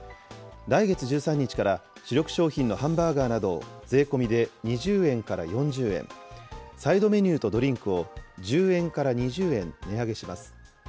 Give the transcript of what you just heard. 来月１３日から主力商品のハンバーガーなどを税込みで２０円から４０円、サイドメニューとドリンクを１０円から２０円値上げします。